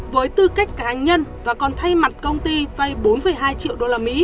với tư cách cá nhân và còn thay mặt công ty vay bốn hai triệu usd